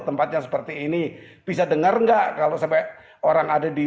tempatnya seperti ini